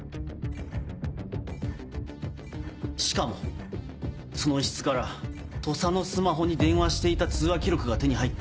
しかもその一室から土佐のスマホに電話していた通話記録が手に入った。